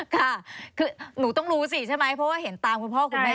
ค่ะคือหนูต้องรู้สิใช่ไหมเพราะว่าเห็นตามคุณพ่อคุณแม่